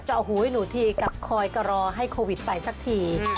หูให้หนูทีกับคอยกระรอให้โควิดไปสักที